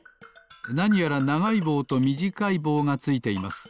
なにやらながいぼうとみじかいぼうがついています。